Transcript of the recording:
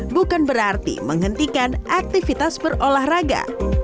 bukan berarti menghentikan aktivitas berolahraga